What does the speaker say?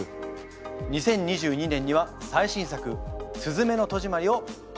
２０２２年には最新作「すずめの戸締まり」を公開。